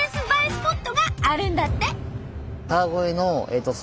スポットがあるんだって。